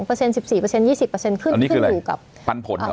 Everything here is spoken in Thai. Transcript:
อันนี้คืออะไรปันผลเหรอ